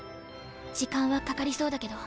時間はかかりそうだけど。